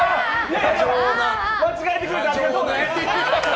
間違えてくれてありがとうね！